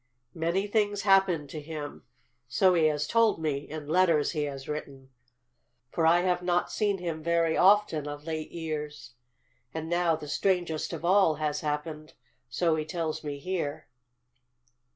Many things happened to him, so he has told me in letters that he has written, for I have not seen him very often, of late years. And now the strangest of all has happened, so he tells me here."